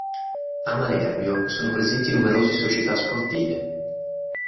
A Manerbio sono presenti numerose società sportive.